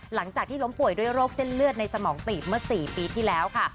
หลังจากที่ล้มป่วยด้วยโรคเส้นเลือดในสมองตีบเมื่อ๔ปีที่แล้วค่ะ